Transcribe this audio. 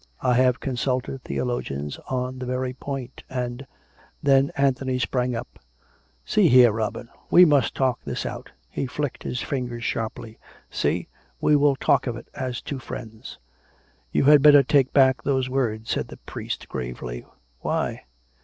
I have consulted theolo gians on the very point; and " Then Anthony sprang up. " See here, Robin ; we must talk this out." He flicked his fingers sharply. " See — we will talk of it as two friends." " You had better take back Ihose words," said the priest gravely. "Why.?"